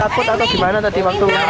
takut atau gimana tadi waktu